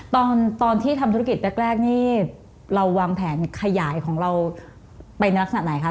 ตอนที่ทำธุรกิจแรกนี่เราวางแผนขยายของเราไปในลักษณะไหนคะ